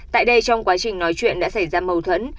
tại đây trong quá trình nói chuyện đã xảy ra mâu thuẫn